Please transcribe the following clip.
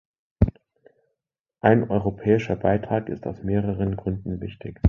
Ein europäischer Beitrag ist aus mehreren Gründen wichtig.